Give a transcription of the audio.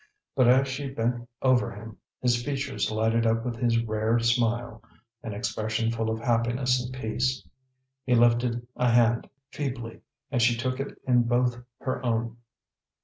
But as she bent over him, his features lighted up with his rare smile an expression full of happiness and peace. He lifted a hand, feebly, and she took it in both her own.